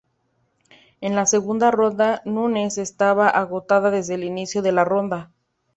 En la segunda ronda, Nunes estaba agotada desde el inicio de la ronda.